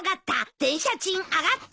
「電車賃上がった」